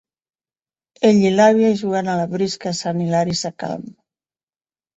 Ell i l'àvia jugant a la brisca a Sant Hilari Sacalm.